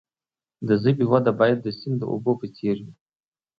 د ژبې وده باید د سیند د اوبو په څیر وي.